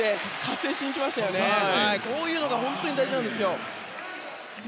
こういうのが本当に大事なんですよ。